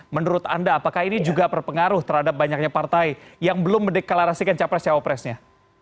menurut anda apakah ini juga berpengaruh terhadap banyaknya partai yang belum mendeklarasikan capres cawapresnya